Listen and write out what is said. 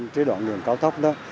trái đoạn đường cao thốc đó